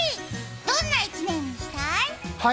どんな一年にしたい？